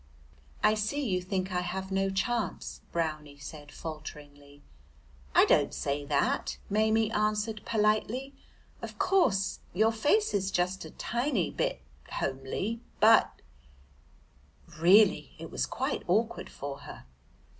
"I see you think I have no chance," Brownie said falteringly. "I don't say that," Maimie answered politely, "of course your face is just a tiny bit homely, but " Really it was quite awkward for her.